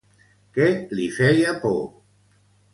Què li feia por?